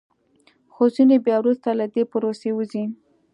خو ځینې بیا وروسته له دې پروسې وځي